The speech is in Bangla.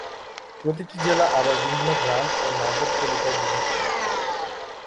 প্রতিটি জেলা আবার বিভিন্ন গ্রাম ও নগরপালিকায় বিভক্ত।